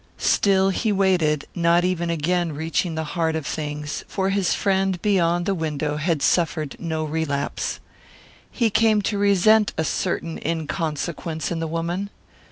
Still he waited, not even again reaching the heart of things, for his friend beyond the window had suffered no relapse. He came to resent a certain inconsequence in the woman.